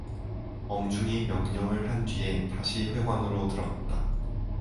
엄중히 명령을 한 뒤에 다시 회관으로 들어갔다.